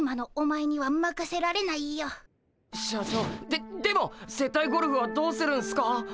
ででも接待ゴルフはどうするんすか？